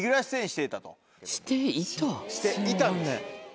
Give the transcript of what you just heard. していたんです。